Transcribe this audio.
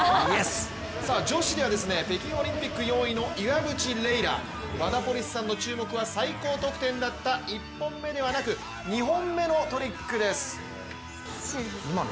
女子では北京オリンピック４位の岩渕麗楽、ワダポリスさんの注目は、最高得点だった１本目ではなく、２本目のトリックです。